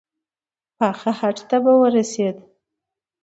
پاخه هډ ته به ورسېد.